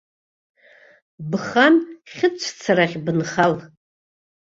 Бхан хьыҵәцарахь бынхал.